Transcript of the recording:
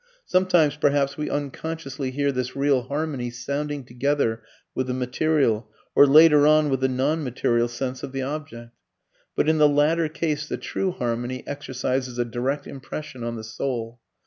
Sometimes perhaps we unconsciously hear this real harmony sounding together with the material or later on with the non material sense of the object. But in the latter case the true harmony exercises a direct impression on the soul.